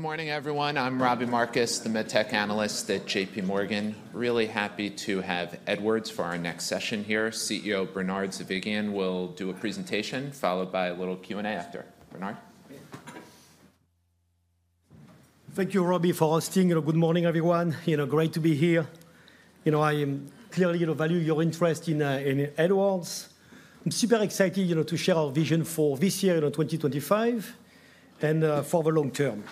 Good morning, everyone. I'm Robbie Marcus, the MedTech analyst at JPMorgan. Really happy to have Edwards for our next session here. CEO Bernard Zovighian will do a presentation, followed by a little Q&A after. Bernard? Thank you, Robbie, for hosting. Good morning, everyone. Great to be here. I clearly value your interest in Edwards. I'm super excited to share our vision for this year, 2025, and for the long term.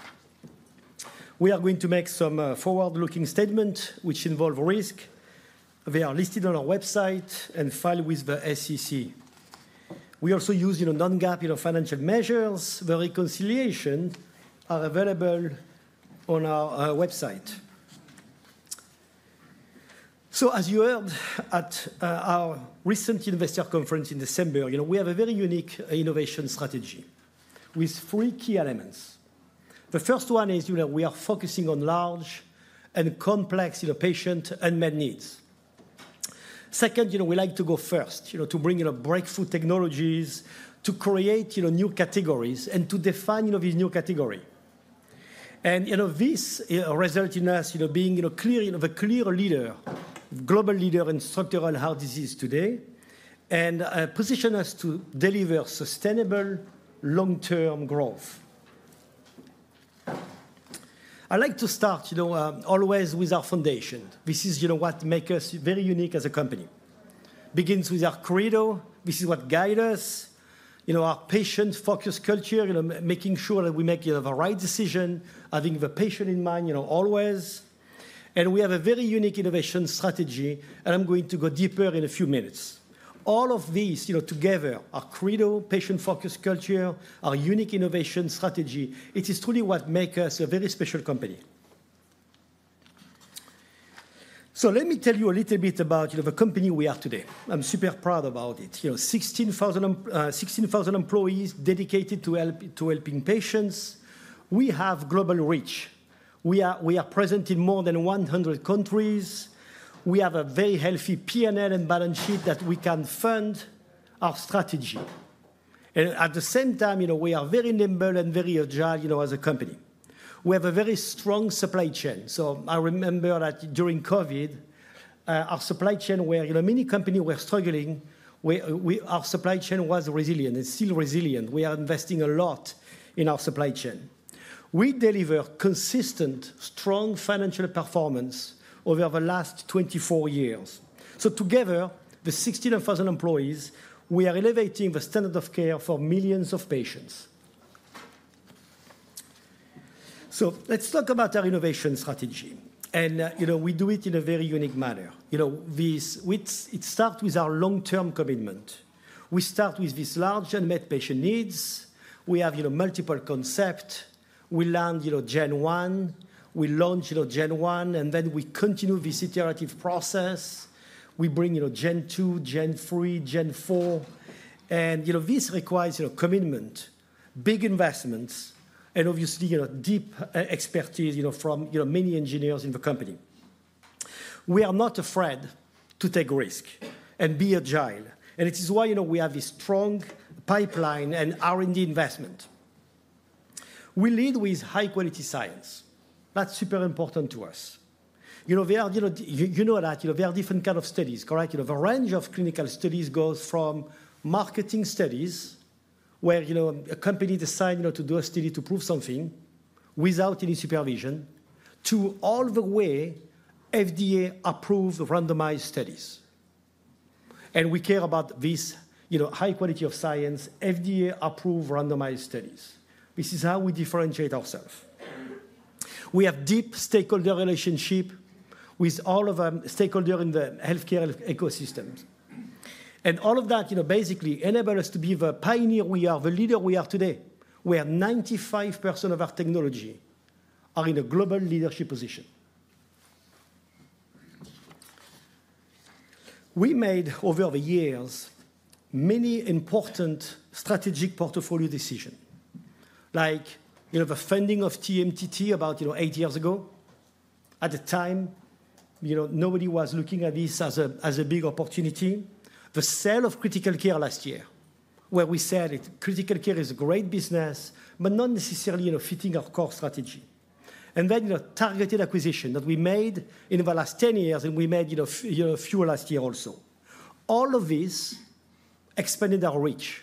We are going to make some forward-looking statements, which involve risk. They are listed on our website and filed with the SEC. We also use non-GAAP financial measures. The reconciliations are available on our website. So, as you heard at our recent investor conference in December, we have a very unique innovation strategy with three key elements. The first one is we are focusing on large and complex patient and unmet needs. Second, we like to go first, to bring breakthrough technologies, to create new categories, and to define these new categories. And this results in us being a clear leader, global leader in structural heart disease today, and position us to deliver sustainable long-term growth. I like to start always with our foundation. This is what makes us very unique as a company. It begins with our credo. This is what guides us: our patient-focused culture, making sure that we make the right decision, having the patient in mind always. And we have a very unique innovation strategy, and I'm going to go deeper in a few minutes. All of these together, our credo, patient-focused culture, our unique innovation strategy, it is truly what makes us a very special company. So let me tell you a little bit about the company we are today. I'm super proud about it. 16,000 employees dedicated to helping patients. We have global reach. We are present in more than 100 countries. We have a very healthy P&L and balance sheet that we can fund our strategy. And at the same time, we are very nimble and very agile as a company. We have a very strong supply chain. So I remember that during COVID, our supply chain, where many companies were struggling, our supply chain was resilient and still resilient. We are investing a lot in our supply chain. We deliver consistent, strong financial performance over the last 24 years. So together, the 16,000 employees, we are elevating the standard of care for millions of patients. So let's talk about our innovation strategy. And we do it in a very unique manner. It starts with our long-term commitment. We start with these large unmet patient needs. We have multiple concepts. We land Gen 1. We launch Gen 1, and then we continue this iterative process. We bring Gen 2, Gen 3, Gen 4. And this requires commitment, big investments, and obviously deep expertise from many engineers in the company. We are not afraid to take risks and be agile. And it is why we have this strong pipeline and R&D investment. We lead with high-quality science. That's super important to us. You know that there are different kinds of studies, correct? The range of clinical studies goes from marketing studies, where a company decides to do a study to prove something without any supervision, to all the way FDA-approved randomized studies. And we care about this high quality of science, FDA-approved randomized studies. This is how we differentiate ourselves. We have deep stakeholder relationships with all of our stakeholders in the healthcare ecosystem. All of that basically enables us to be the pioneer we are, the leader we are today, where 95% of our technology are in a global leadership position. We made, over the years, many important strategic portfolio decisions, like the funding of TMTT about eight years ago. At the time, nobody was looking at this as a big opportunity. The sale of Critical Care last year, where we said Critical Care is a great business, but not necessarily fitting our core strategy. And then targeted acquisition that we made in the last 10 years, and we made a few last year also. All of this expanded our reach.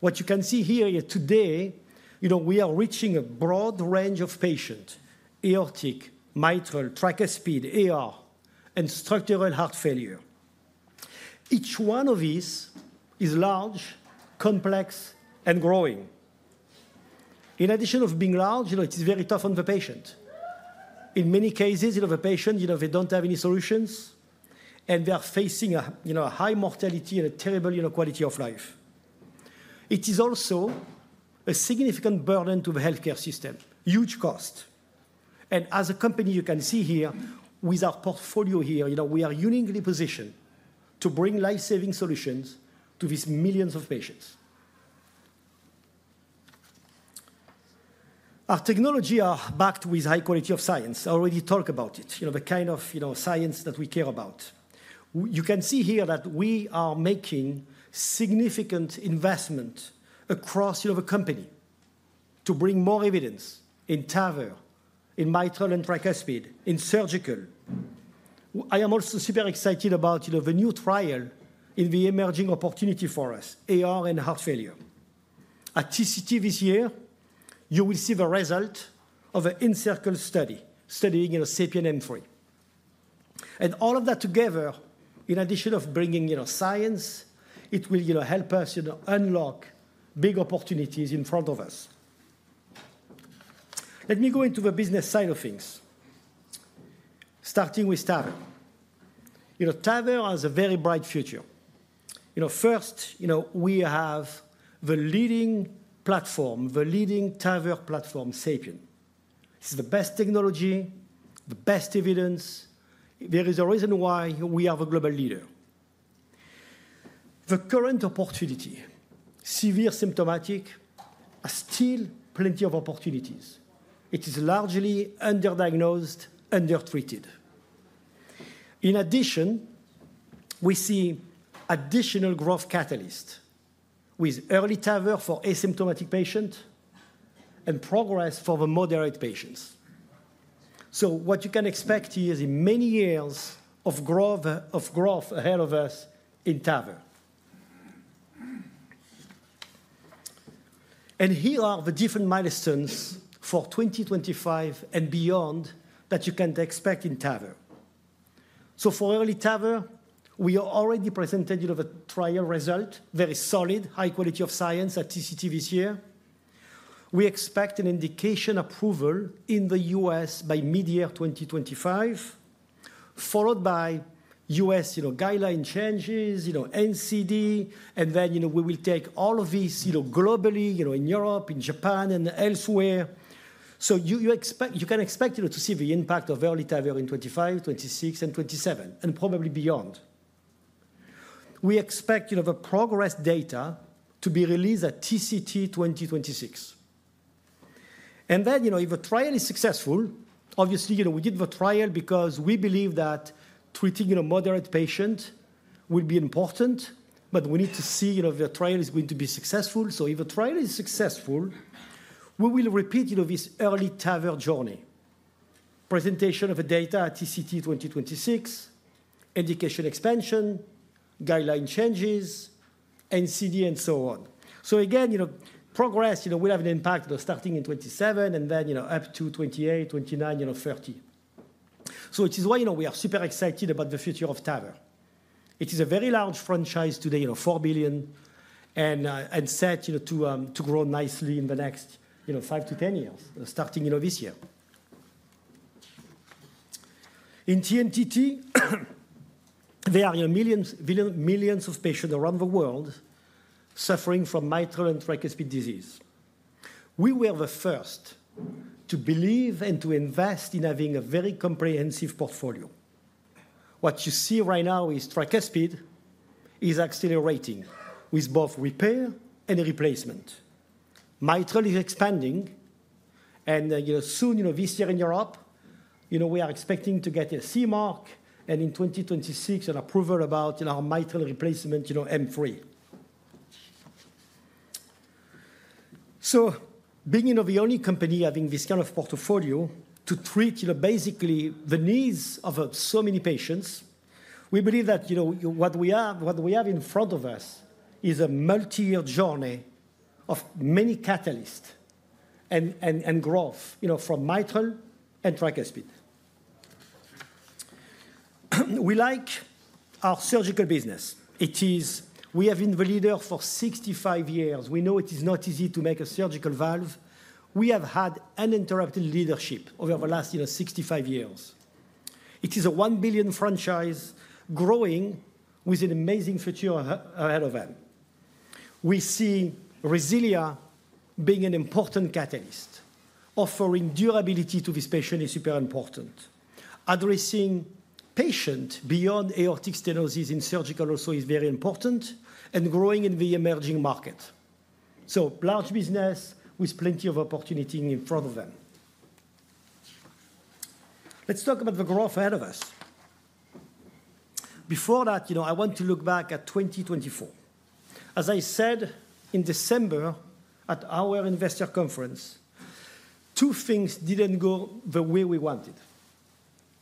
What you can see here today, we are reaching a broad range of patients: aortic, mitral, tricuspid, AR, and structural heart failure. Each one of these is large, complex, and growing. In addition to being large, it is very tough on the patient. In many cases, the patients, they don't have any solutions, and they are facing a high mortality and a terrible quality of life. It is also a significant burden to the healthcare system, huge cost. And as a company, you can see here, with our portfolio here, we are uniquely positioned to bring lifesaving solutions to these millions of patients. Our technology is backed with high quality of science. I already talked about it, the kind of science that we care about. You can see here that we are making significant investment across the company to bring more evidence in TAVR, in mitral and tricuspid, in surgical. I am also super excited about the new trial in the emerging opportunity for us, AR and heart failure. At TCT this year, you will see the result of the ENCIRCLE study studying a SAPIEN M3, and all of that together, in addition to bringing science, it will help us unlock big opportunities in front of us. Let me go into the business side of things, starting with TAVR. TAVR has a very bright future. First, we have the leading platform, the leading TAVR platform, SAPIEN. This is the best technology, the best evidence. There is a reason why we are the global leader. The current opportunity, severe symptomatic, has still plenty of opportunities. It is largely underdiagnosed, undertreated. In addition, we see additional growth catalysts with EARLY TAVR for asymptomatic patients and PROGRESS for the moderate patients, so what you can expect is many years of growth ahead of us in TAVR, and here are the different milestones for 2025 and beyond that you can expect in TAVR. So for EARLY TAVR, we are already presented with a trial result, very solid, high quality of science at TCT this year. We expect an indication approval in the U.S. by mid-year 2025, followed by U.S. guideline changes, NCD, and then we will take all of these globally in Europe, in Japan, and elsewhere. So you can expect to see the impact of EARLY TAVR in 2025, 2026, and 2027, and probably beyond. We expect the PROGRESS data to be released at TCT 2026, and then if the trial is successful, obviously we did the trial because we believe that treating a moderate patient will be important, but we need to see if the trial is going to be successful, so if the trial is successful, we will repeat this EARLY TAVR journey, presentation of the data at TCT 2026, indication expansion, guideline changes, NCD, and so on. So again, PROGRESS will have an impact starting in 2027 and then up to 2028, 2029, and 2030. So it is why we are super excited about the future of TAVR. It is a very large franchise today, $4 billion, and set to grow nicely in the next five to 10 years, starting this year. In TMTT, there are millions of patients around the world suffering from mitral and tricuspid disease. We were the first to believe and to invest in having a very comprehensive portfolio. What you see right now is tricuspid is accelerating with both repair and replacement. Mitral is expanding. And soon this year in Europe, we are expecting to get a CE Mark and in 2026 an approval about our mitral replacement M3. So being the only company having this kind of portfolio to treat basically the needs of so many patients, we believe that what we have in front of us is a multi-year journey of many catalysts and growth from mitral and tricuspid. We like our surgical business. We have been the leader for 65 years. We know it is not easy to make a surgical valve. We have had uninterrupted leadership over the last 65 years. It is a $1 billion franchise growing with an amazing future ahead of us. We see RESILIA being an important catalyst, offering durability to this patient is super important. Addressing patients beyond aortic stenosis in surgical also is very important and growing in the emerging market. So large business with plenty of opportunity in front of them. Let's talk about the growth ahead of us. Before that, I want to look back at 2024. As I said in December at our investor conference, two things didn't go the way we wanted.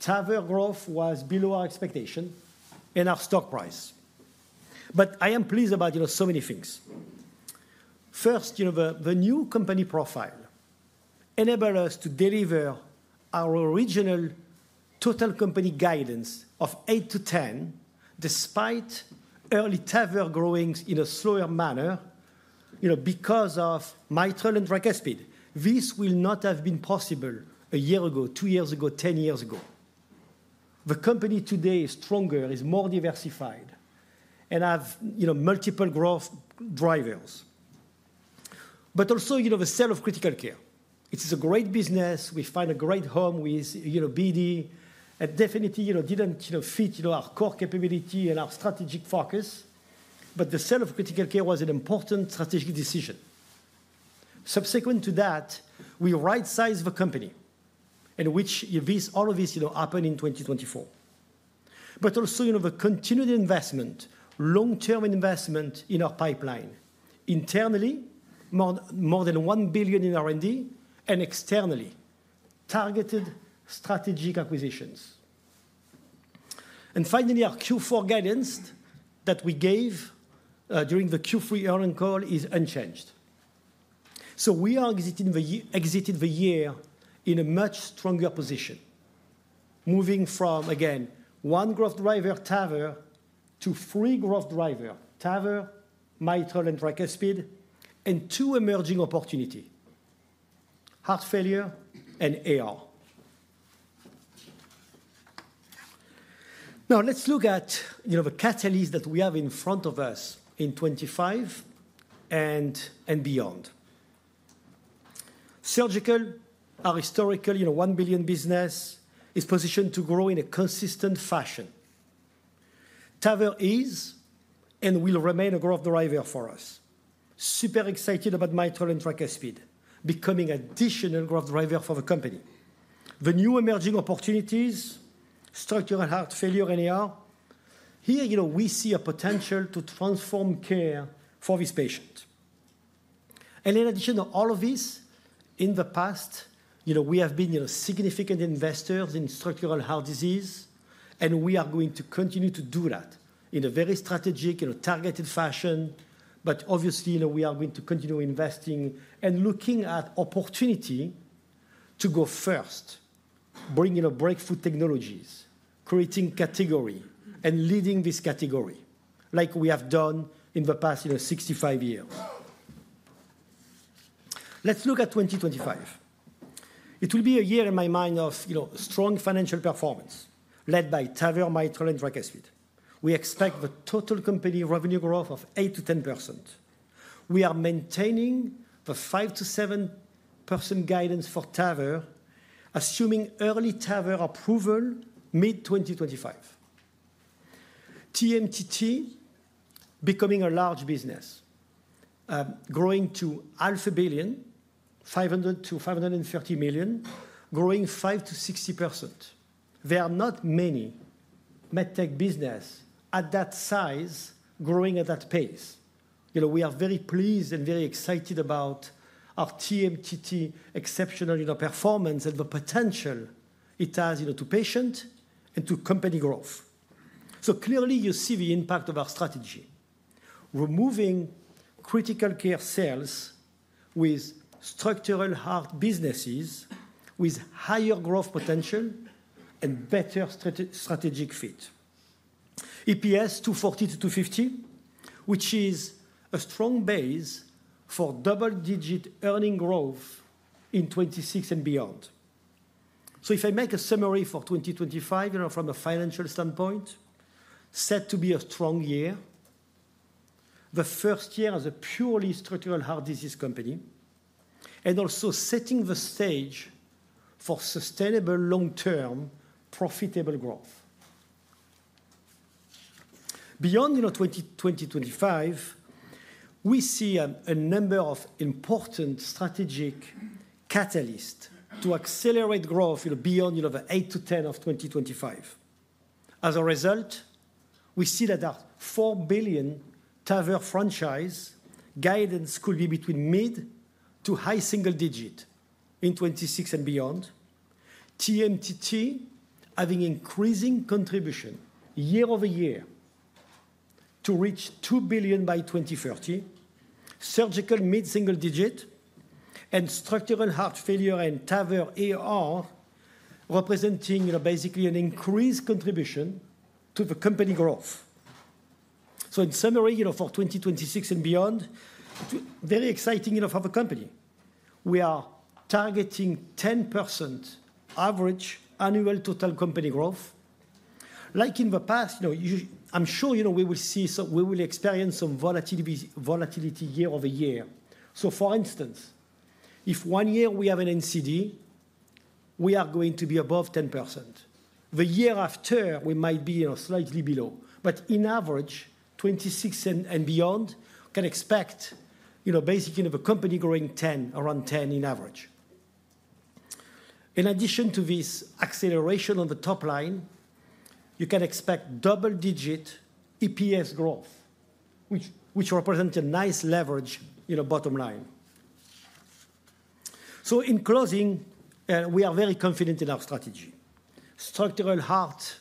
TAVR growth was below our expectation and our stock price. But I am pleased about so many things. First, the new company profile enabled us to deliver our original total company guidance of 8 to 10, despite EARLY TAVR growing in a slower manner because of mitral and tricuspid. This will not have been possible a year ago, two years ago, 10 years ago. The company today is stronger, is more diversified, and has multiple growth drivers. But also the sale of Critical Care. It is a great business. We find a great home with BD and definitely didn't fit our core capability and our strategic focus. But the sale of Critical Care was an important strategic decision. Subsequent to that, we right-sized the company, in which all of this happened in 2024. But also the continued investment, long-term investment in our pipeline, internally more than $1 billion in R&D and externally targeted strategic acquisitions, and finally, our Q4 guidance that we gave during the Q3 earnings call is unchanged, so we are exiting the year in a much stronger position, moving from, again, one growth driver, TAVR, to three growth drivers, TAVR, mitral and tricuspid, and two emerging opportunities, heart failure and AR. Now let's look at the catalysts that we have in front of us in 2025 and beyond. Surgical, our historical $1 billion business, is positioned to grow in a consistent fashion. TAVR is and will remain a growth driver for us. Super excited about mitral and tricuspid becoming additional growth drivers for the company. The new emerging opportunities, structural heart failure and AR, here we see a potential to transform care for these patients. In addition to all of this, in the past, we have been significant investors in structural heart disease, and we are going to continue to do that in a very strategic and targeted fashion. Obviously, we are going to continue investing and looking at opportunity to go first, bringing breakthrough technologies, creating category, and leading this category like we have done in the past 65 years. Let's look at 2025. It will be a year in my mind of strong financial performance led by TAVR, mitral, and tricuspid. We expect the total company revenue growth of 8%-10%. We are maintaining the 5%-7% guidance for TAVR, assuming EARLY TAVR approval mid-2025. TMTT becoming a large business, growing to $500 million-$530 million, growing 50%-60%. There are not many medtech businesses at that size growing at that pace. We are very pleased and very excited about our TMTT exceptional performance and the potential it has to patient and to company growth. So clearly, you see the impact of our strategy, removing Critical Care sales with structural heart businesses with higher growth potential and better strategic fit. EPS $2.40-$2.50, which is a strong base for double-digit earning growth in 2026 and beyond. So if I make a summary for 2025 from a financial standpoint, set to be a strong year, the first year as a purely structural heart disease company, and also setting the stage for sustainable long-term profitable growth. Beyond 2025, we see a number of important strategic catalysts to accelerate growth beyond the 8%-10% of 2025. As a result, we see that our $4 billion TAVR franchise guidance could be between mid- to high-single-digit in 2026 and beyond. TMTT having increasing contribution year over year to reach $2 billion by 2030, surgical mid single digit, and structural heart failure and TAVR AR representing basically an increased contribution to the company growth. So in summary for 2026 and beyond, very exciting for the company. We are targeting 10% average annual total company growth. Like in the past, I'm sure we will experience some volatility year over year. So for instance, if one year we have an NCD, we are going to be above 10%. The year after, we might be slightly below. But in average, 2026 and beyond can expect basically the company growing 10, around 10 in average. In addition to this acceleration on the top line, you can expect double-digit EPS growth, which represents a nice leverage bottom line. So in closing, we are very confident in our strategy. Structural heart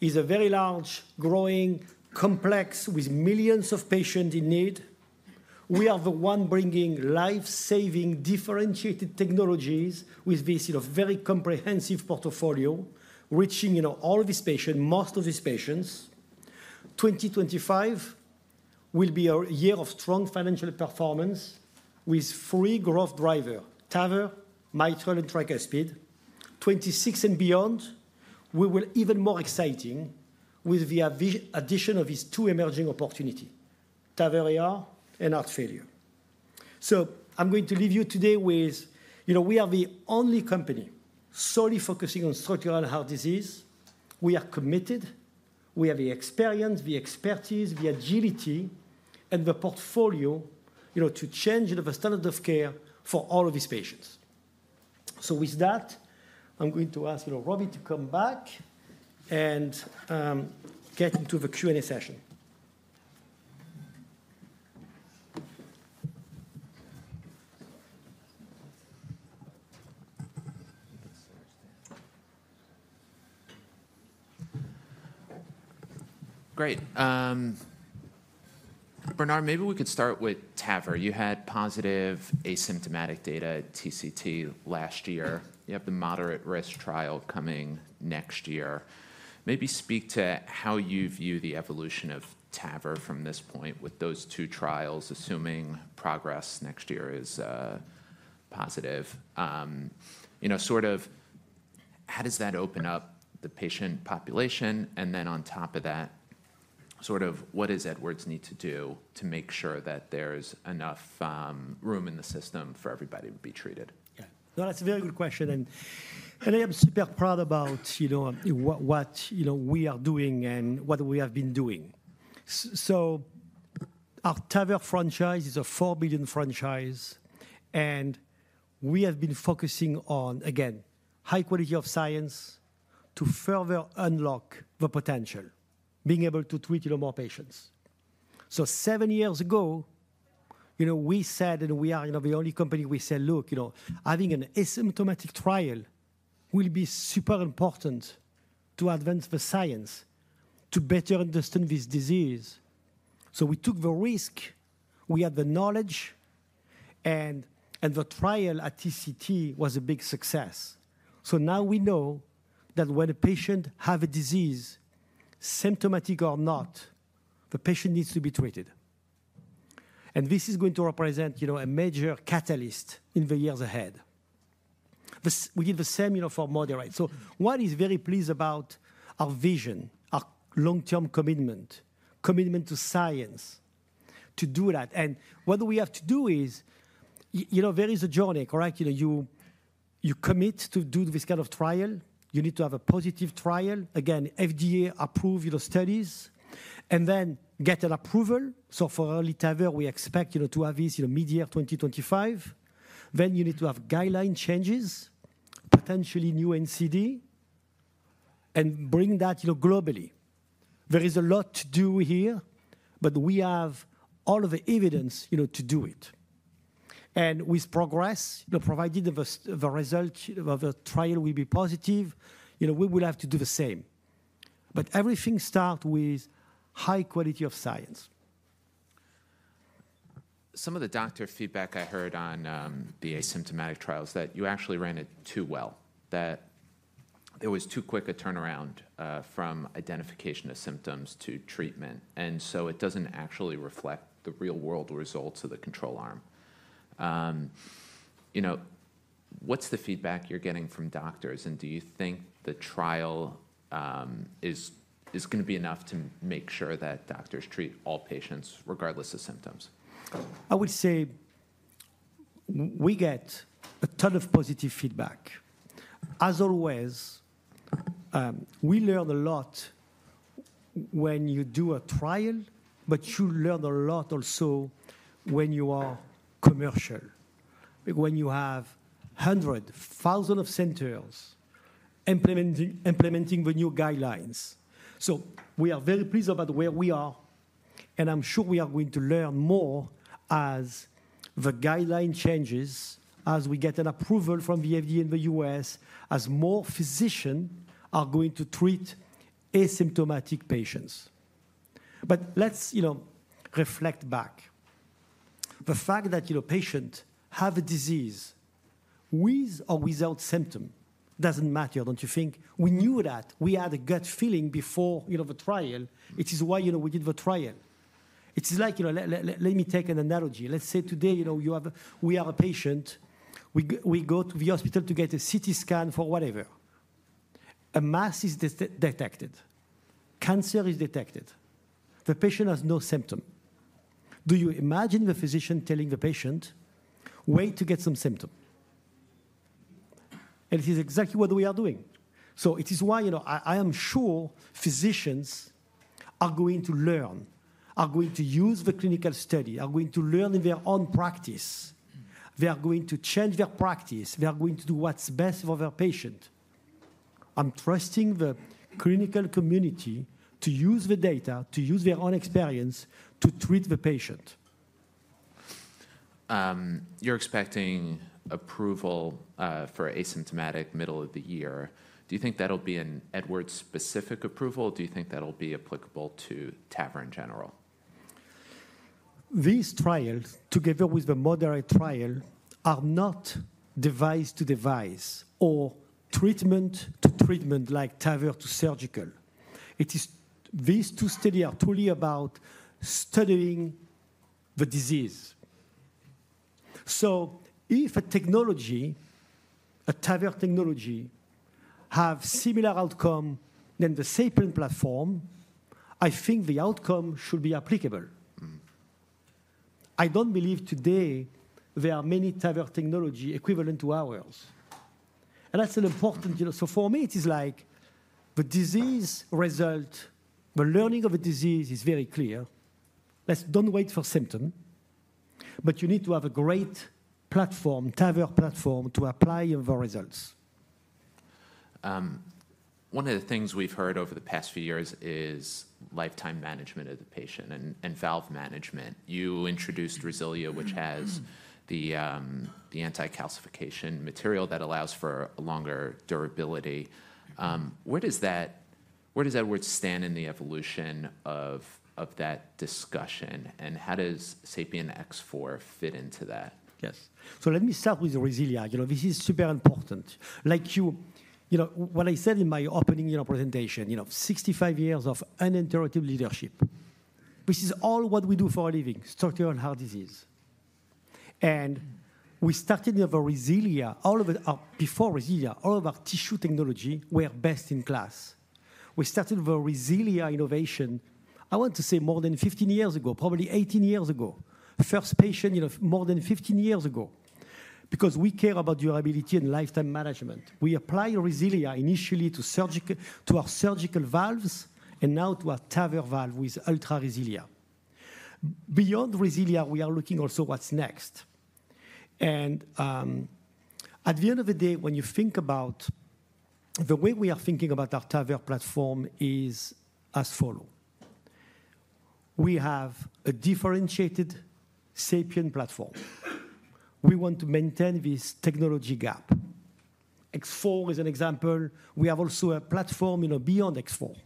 is a very large, growing complex with millions of patients in need. We are the one bringing life-saving differentiated technologies with this very comprehensive portfolio, reaching all of these patients, most of these patients. 2025 will be a year of strong financial performance with three growth drivers, TAVR, mitral, and tricuspid. 2026 and beyond, we will be even more exciting with the addition of these two emerging opportunities, TAVR AR and heart failure. So I'm going to leave you today with, we are the only company solely focusing on structural heart disease. We are committed. We have the experience, the expertise, the agility, and the portfolio to change the standard of care for all of these patients. So with that, I'm going to ask Robbie to come back and get into the Q&A session. Great. Bernard, maybe we could start with TAVR. You had positive asymptomatic data at TCT last year. You have the moderate risk trial coming next year. Maybe speak to how you view the evolution of TAVR from this point with those two trials, assuming PROGRESS next year is positive. Sort of how does that open up the patient population? And then on top of that, sort of what does Edwards need to do to make sure that there's enough room in the system for everybody to be treated? Yeah. No, that's a very good question. And I am super proud about what we are doing and what we have been doing. So our TAVR franchise is a $4 billion franchise. And we have been focusing on, again, high quality of science to further unlock the potential, being able to treat more patients. So seven years ago, we said, and we are the only company we said, look, having an asymptomatic trial will be super important to advance the science to better understand this disease. So we took the risk. We had the knowledge. And the trial at TCT was a big success. So now we know that when a patient has a disease, symptomatic or not, the patient needs to be treated. And this is going to represent a major catalyst in the years ahead. We did the same for moderate. One is very pleased about our vision, our long-term commitment, commitment to science to do that. What we have to do is there is a journey, correct? You commit to do this kind of trial. You need to have a positive trial, again, FDA-approved studies, and then get an approval. For EARLY TAVR, we expect to have this mid-year 2025. Then you need to have guideline changes, potentially new NCD, and bring that globally. There is a lot to do here, but we have all of the evidence to do it. With PROGRESS, provided the result of the trial will be positive, we will have to do the same. Everything starts with high quality of science. Some of the doctor feedback I heard on the asymptomatic trials that you actually ran it too well, that there was too quick a turnaround from identification of symptoms to treatment. And so it doesn't actually reflect the real-world results of the control arm. What's the feedback you're getting from doctors? And do you think the trial is going to be enough to make sure that doctors treat all patients regardless of symptoms? I would say we get a ton of positive feedback. As always, we learn a lot when you do a trial, but you learn a lot also when you are commercial, when you have hundreds, thousands of centers implementing the new guidelines. So we are very pleased about where we are, and I'm sure we are going to learn more as the guideline changes, as we get an approval from the FDA in the U.S., as more physicians are going to treat asymptomatic patients, but let's reflect back. The fact that a patient has a disease with or without symptoms doesn't matter, don't you think? We knew that. We had a gut feeling before the trial. It is why we did the trial. It is like, let me take an analogy. Let's say today we are a patient. We go to the hospital to get a CT scan for whatever. A mass is detected. Cancer is detected. The patient has no symptoms. Do you imagine the physician telling the patient, "Wait to get some symptoms"? And it is exactly what we are doing. So it is why I am sure physicians are going to learn, are going to use the clinical study, are going to learn in their own practice. They are going to change their practice. They are going to do what's best for their patient. I'm trusting the clinical community to use the data, to use their own experience to treat the patient. You're expecting approval for asymptomatic middle of the year. Do you think that'll be an Edwards-specific approval? Do you think that'll be applicable to TAVR in general? These trials, together with the moderate trial, are not device to device or treatment to treatment like TAVR to surgical. These two studies are truly about studying the disease. So if a technology, a TAVR technology, has a similar outcome than the SAPIEN platform, I think the outcome should be applicable. I don't believe today there are many TAVR technologies equivalent to ours. And that's an important so for me, it is like the disease result, the learning of the disease is very clear. Let's don't wait for symptoms. But you need to have a great platform, TAVR platform, to apply your results. One of the things we've heard over the past few years is lifetime management of the patient and valve management. You introduced RESILIA, which has the anti-calcification material that allows for longer durability. Where does Edwards stand in the evolution of that discussion? And how does SAPIEN X4 fit into that? Yes. So let me start with RESILIA. This is super important. Like when I said in my opening presentation, 65 years of uninterrupted leadership, which is all what we do for a living, structural heart disease, and we started with RESILIA. Before RESILIA, all of our tissue technology were best in class. We started with RESILIA innovation, I want to say, more than 15 years ago, probably 18 years ago, first patient more than 15 years ago, because we care about durability and lifetime management. We apply RESILIA initially to our surgical valves and now to our TAVR valve with Ultra RESILIA. Beyond RESILIA, we are looking also at what's next. And at the end of the day, when you think about the way we are thinking about our TAVR platform is as follows. We have a differentiated SAPIEN platform. We want to maintain this technology gap. X4 is an example. We have also a platform beyond X4,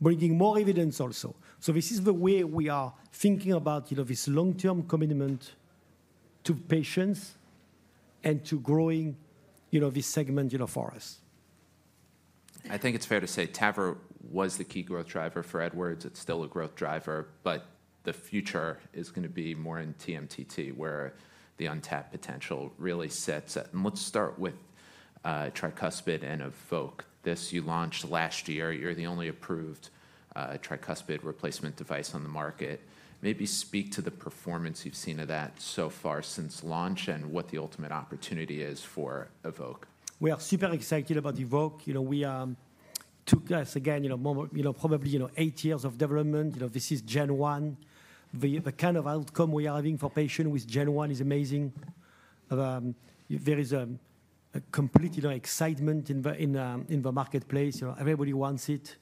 bringing more evidence also, so this is the way we are thinking about this long-term commitment to patients and to growing this segment for us. I think it's fair to say TAVR was the key growth driver for Edwards. It's still a growth driver. But the future is going to be more in TMTT, where the untapped potential really sets it. And let's start with tricuspid and EVOQUE. This you launched last year. You're the only approved tricuspid replacement device on the market. Maybe speak to the performance you've seen of that so far since launch and what the ultimate opportunity is for EVOQUE? We are super excited about EVOQUE. It took us again probably eight years of development. This is Gen 1. The kind of outcome we are having for patients with Gen 1 is amazing. There is a complete excitement in the marketplace. Everybody wants it.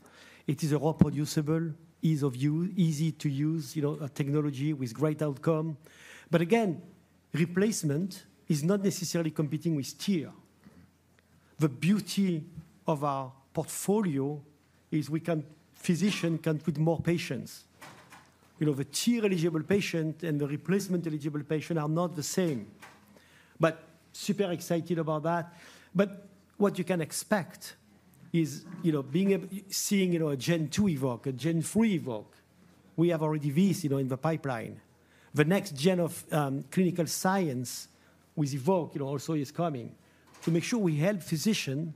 It is a reproducible, easy to use technology with great outcome. But again, replacement is not necessarily competing with TEER. The beauty of our portfolio is physicians can treat more patients. The TEER eligible patient and the replacement eligible patient are not the same but super excited about that, but what you can expect is seeing a Gen 2 EVOQUE, a Gen 3 EVOQUE. We already have this in the pipeline. The next gen of clinical science with EVOQUE also is coming to make sure we help physicians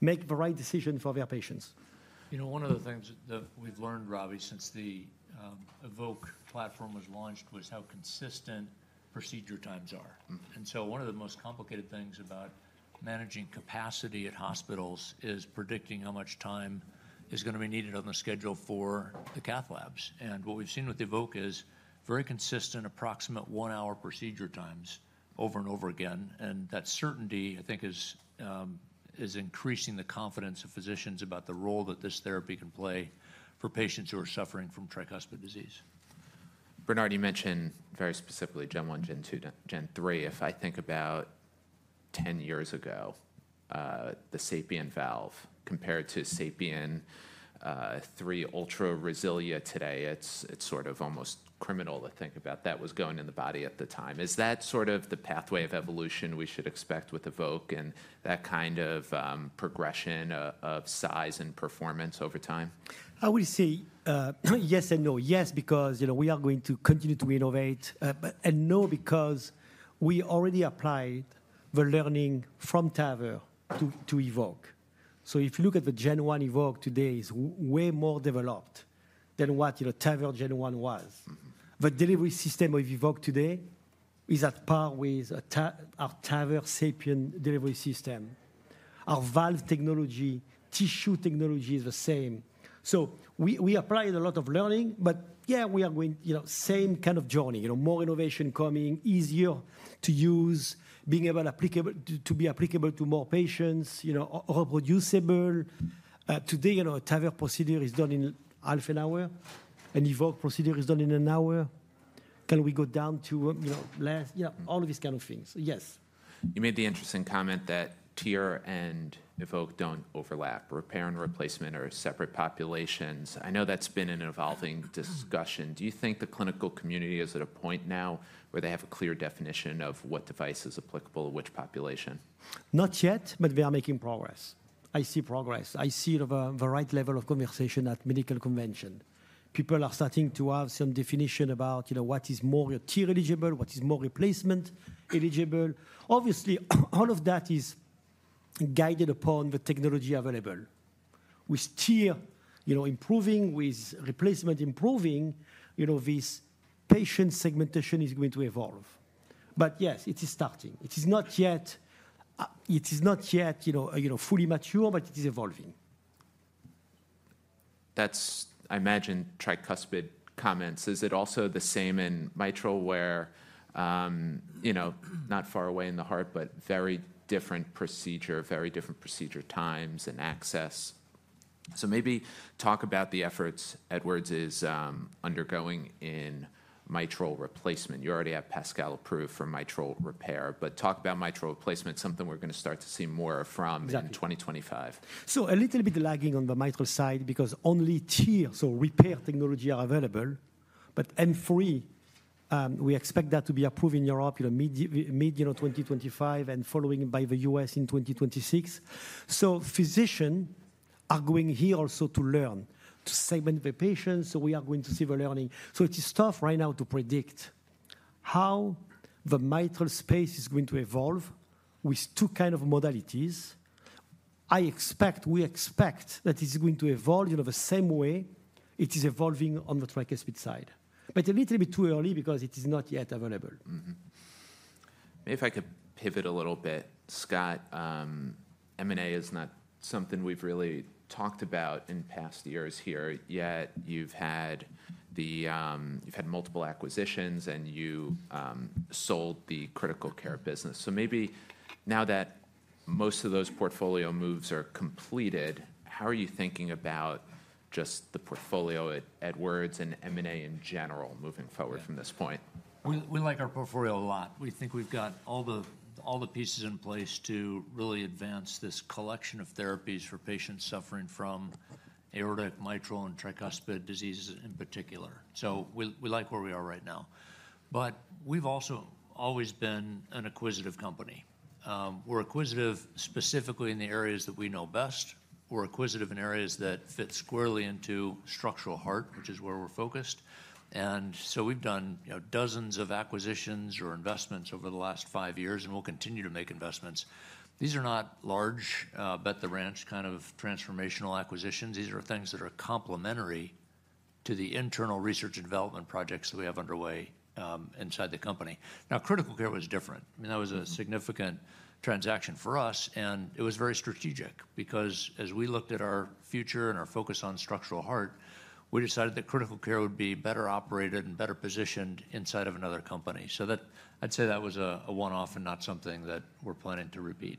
make the right decision for their patients. One of the things that we've learned, Robbie, since the EVOQUE platform was launched was how consistent procedure times are. And so one of the most complicated things about managing capacity at hospitals is predicting how much time is going to be needed on the schedule for the cath labs. And what we've seen with EVOQUE is very consistent, approximate one-hour procedure times over and over again. And that certainty, I think, is increasing the confidence of physicians about the role that this therapy can play for patients who are suffering from tricuspid disease. Bernard, you mentioned very specifically Gen 1, Gen 2, Gen 3. If I think about 10 years ago, the SAPIEN valve compared to SAPIEN 3 Ultra RESILIA today, it's sort of almost criminal to think about that was going in the body at the time. Is that sort of the pathway of evolution we should expect with EVOQUE and that kind of progression of size and performance over time? I would say yes and no. Yes, because we are going to continue to innovate, and no, because we already applied the learning from TAVR to EVOQUE. So if you look at the Gen 1 EVOQUE today, it's way more developed than what TAVR Gen 1 was. The delivery system of EVOQUE today is at par with our TAVR SAPIEN delivery system. Our valve technology, tissue technology is the same. So we applied a lot of learning, but yeah, we are going same kind of journey, more innovation coming, easier to use, being able to be applicable to more patients, reproducible. Today, a TAVR procedure is done in half an hour. An EVOQUE procedure is done in an hour. Can we go down to less? All of these kind of things. Yes. You made the interesting comment that TEER and EVOQUE don't overlap. Repair and replacement are separate populations. I know that's been an evolving discussion. Do you think the clinical community is at a point now where they have a clear definition of what device is applicable to which population? Not yet, but we are making PROGRESS. I see PROGRESS. I see a varied level of conversation at medical convention. People are starting to have some definition about what is more TEER eligible, what is more replacement eligible. Obviously, all of that is guided upon the technology available. With TEER improving, with replacement improving, this patient segmentation is going to evolve. But yes, it is starting. It is not yet fully mature, but it is evolving. That's, I imagine, tricuspid comments. Is it also the same in mitral, where not far away in the heart, but very different procedure, very different procedure times and access? So maybe talk about the efforts Edwards is undergoing in mitral replacement. You already have PASCAL approved for mitral repair. But talk about mitral replacement, something we're going to start to see more from in 2025. Exactly. So a little bit of lagging on the mitral side because only TEER, so repair technology, are available. But M3, we expect that to be approved in Europe mid-2025 and following by the US in 2026. So physicians are going here also to learn, to segment the patients. So we are going to see the learning. So it is tough right now to predict how the mitral space is going to evolve with two kinds of modalities. I expect, we expect that it's going to evolve the same way it is evolving on the tricuspid side. But a little bit too early because it is not yet available. Maybe if I could pivot a little bit, Scott, M&A is not something we've really talked about in past years here. Yet you've had multiple acquisitions, and you sold the Critical Care business. So maybe now that most of those portfolio moves are completed, how are you thinking about just the portfolio at Edwards and M&A in general moving forward from this point? We like our portfolio a lot. We think we've got all the pieces in place to really advance this collection of therapies for patients suffering from aortic, mitral, and tricuspid diseases in particular. So we like where we are right now. But we've also always been an acquisitive company. We're acquisitive specifically in the areas that we know best. We're acquisitive in areas that fit squarely into structural heart, which is where we're focused. And so we've done dozens of acquisitions or investments over the last five years, and we'll continue to make investments. These are not large bet the ranch kind of transformational acquisitions. These are things that are complementary to the internal research and development projects that we have underway inside the company. Now, Critical Care was different. I mean, that was a significant transaction for us. And it was very strategic because as we looked at our future and our focus on structural heart, we decided that Critical Care would be better operated and better positioned inside of another company. So I'd say that was a one-off and not something that we're planning to repeat.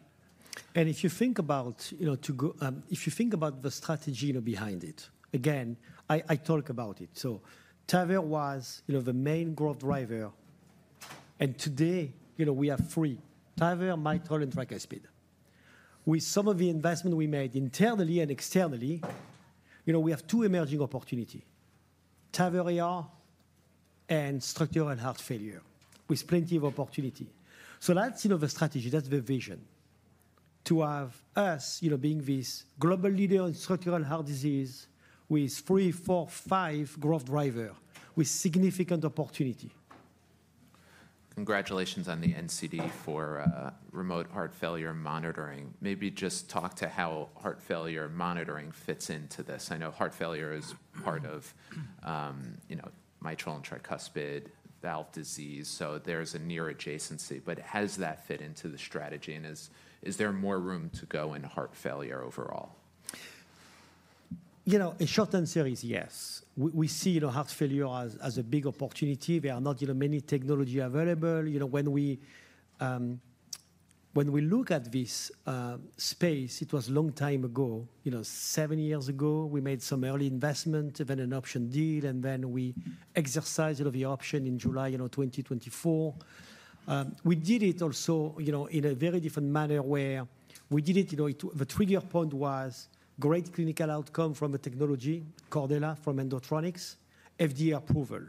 And if you think about the strategy behind it, again, I talk about it. So TAVR was the main growth driver. And today, we have three: TAVR, Mitral, and Tricuspid. With some of the investment we made internally and externally, we have two emerging opportunities: TAVR AR and structural heart failure with plenty of opportunity. So that's the strategy. That's the vision to have us being this global leader in structural heart disease with three, four, five growth drivers with significant opportunity. Congratulations on the NCD for remote heart failure monitoring. Maybe just talk to how heart failure monitoring fits into this. I know heart failure is part of mitral and tricuspid valve disease. So there's a near adjacency. But has that fit into the strategy? And is there more room to go in heart failure overall? In a short answer, yes. We see heart failure as a big opportunity. There are not many technologies available. When we look at this space, it was a long time ago. Seven years ago, we made some early investment, even an option deal. And then we exercised the option in July 2024. We did it also in a very different manner where we did it. The trigger point was great clinical outcome from the technology, Cordella from Endotronix, FDA approval.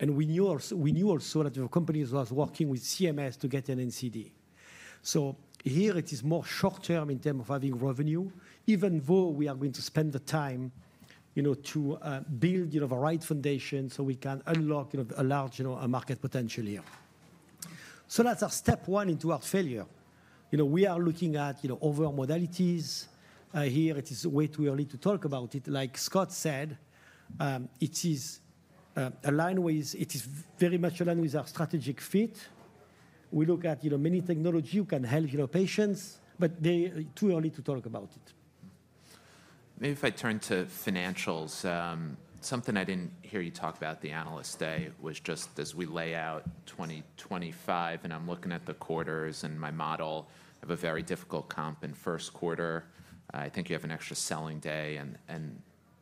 And we knew also that the company was working with CMS to get an NCD. So here, it is more short term in terms of having revenue, even though we are going to spend the time to build the right foundation so we can unlock a large market potential here. So that's our step one into heart failure. We are looking at overall modalities here. It is way too early to talk about it. Like Scott said, it is very much aligned with our strategic fit. We look at many technologies that can help patients. But too early to talk about it. Maybe if I turn to financials, something I didn't hear you talk about the analyst day was just as we lay out 2025. And I'm looking at the quarters. And my model, I have a very difficult comp in first quarter. I think you have an extra selling day. And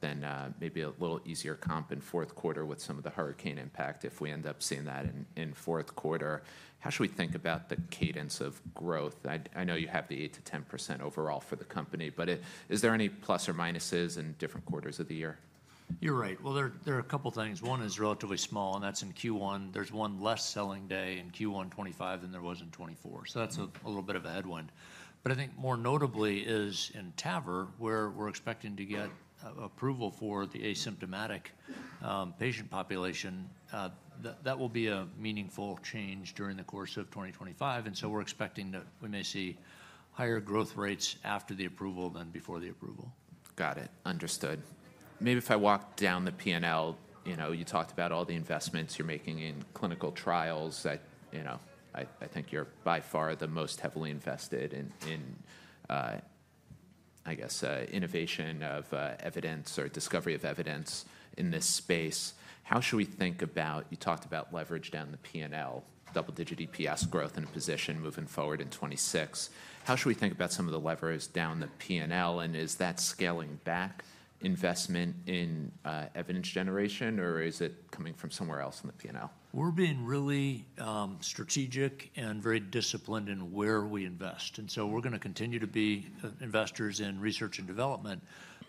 then maybe a little easier comp in fourth quarter with some of the hurricane impact if we end up seeing that in fourth quarter. How should we think about the cadence of growth? I know you have the 8%-10% overall for the company. But is there any plus or minuses in different quarters of the year? You're right. Well, there are a couple of things. One is relatively small, and that's in Q1. There's one less selling day in Q1 2025 than there was in 2024. So that's a little bit of a headwind. But I think more notably is in TAVR, where we're expecting to get approval for the asymptomatic patient population. That will be a meaningful change during the course of 2025. And so we're expecting that we may see higher growth rates after the approval than before the approval. Got it. Understood. Maybe if I walk down the P&L, you talked about all the investments you're making in clinical trials that I think you're by far the most heavily invested in, I guess, innovation of evidence or discovery of evidence in this space. How should we think about you talked about leverage down the P&L, double-digit EPS growth in a position moving forward in 2026. How should we think about some of the leverage down the P&L? And is that scaling back investment in evidence generation, or is it coming from somewhere else in the P&L? We're being really strategic and very disciplined in where we invest. And so we're going to continue to be investors in research and development.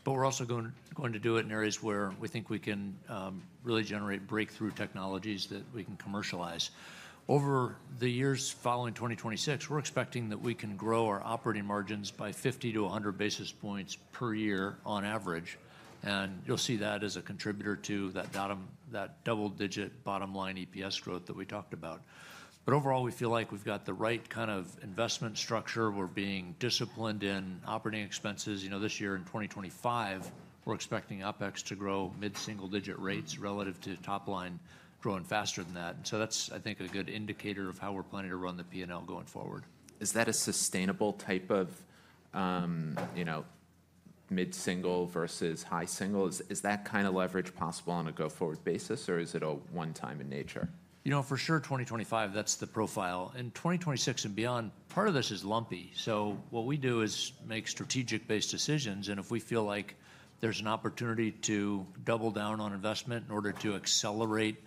But we're also going to do it in areas where we think we can really generate breakthrough technologies that we can commercialize. Over the years following 2026, we're expecting that we can grow our operating margins by 50-100 basis points per year on average. And you'll see that as a contributor to that double-digit bottom line EPS growth that we talked about. But overall, we feel like we've got the right kind of investment structure. We're being disciplined in operating expenses. This year in 2025, we're expecting OpEx to grow mid-single digit rates relative to top line growing faster than that. And so that's, I think, a good indicator of how we're planning to run the P&L going forward. Is that a sustainable type of mid-single versus high single? Is that kind of leverage possible on a go-forward basis, or is it a one-time in nature? For sure, 2025, that's the profile. In 2026 and beyond, part of this is lumpy. So what we do is make strategic-based decisions. And if we feel like there's an opportunity to double down on investment in order to accelerate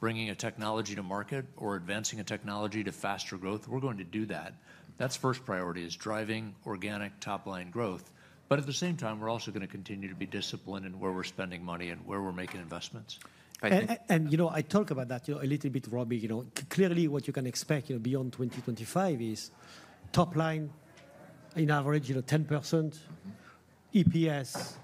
bringing a technology to market or advancing a technology to faster growth, we're going to do that. That's first priority is driving organic top line growth. But at the same time, we're also going to continue to be disciplined in where we're spending money and where we're making investments. And I talk about that a little bit, Robbie. Clearly, what you can expect beyond 2025 is top line, on average, 10% EPS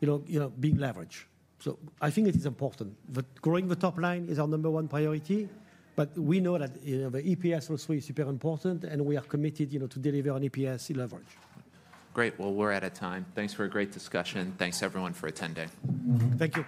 being leveraged. So I think it is important. But growing the top line is our number one priority. But we know that the EPS also is super important. And we are committed to deliver on EPS leverage. Great. Well, we're out of time. Thanks for a great discussion. Thanks, everyone, for attending. Thank you.